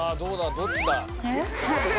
どっちだ？